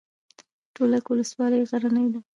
تولک ولسوالۍ غرنۍ ده؟